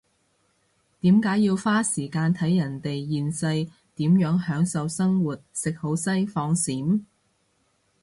點解要花時間睇人哋現世點樣享受生活食好西放閃？